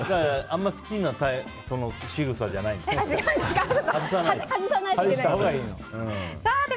あまり好きなしぐさじゃないので。